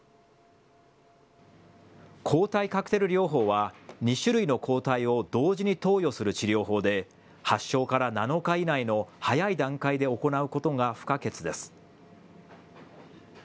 抗体カクテル療法は２種類の抗体を同時に投与する治療法で、発症から７日以内の早い段階で行うことが不可欠です。